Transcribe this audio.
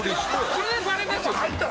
それバレますよ！